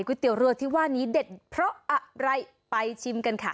เตี๋ยวรัวที่ว่านี้เด็ดเพราะอะไรไปชิมกันค่ะ